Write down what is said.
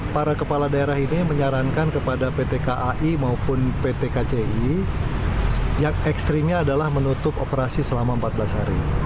para kepala daerah ini menyarankan kepada pt kai maupun pt kci yang ekstrimnya adalah menutup operasi selama empat belas hari